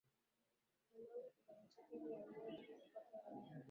imeanza kibarua chake hii leo ili kupata ukweli juu ya mauaji hayo